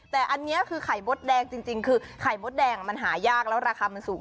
แต่อันนี้คือไข่มดแดงจริงคือไข่มดแดงมันหายากแล้วราคามันสูง